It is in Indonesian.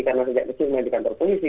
karena sejak kecil dia di kantor polisi